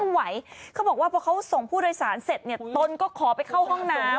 ไหวเขาบอกว่าพอเขาส่งผู้โดยสารเสร็จเนี่ยตนก็ขอไปเข้าห้องน้ำ